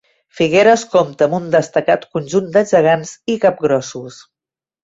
Figueres compta amb un destacat conjunt de gegants i capgrossos.